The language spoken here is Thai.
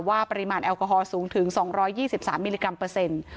ปริมาณแอลกอฮอลสูงถึง๒๒๓มิลลิกรัมเปอร์เซ็นต์